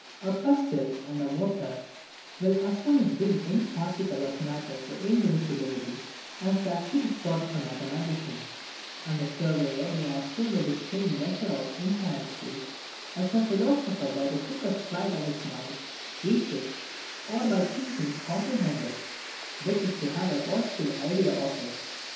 A pestle and mortar will as soon bring any particle of matter to indivisibility, as the acutest thought of a mathematician; and a surveyor may as soon with his chain measure out infinite space, as a philosopher by the quickest flight of mind reach it or by thinking comprehend it; which is to have a positive idea of it.